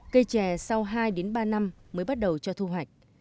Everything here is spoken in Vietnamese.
cây trè sau hai ba năm mới bắt đầu cho thu hoạch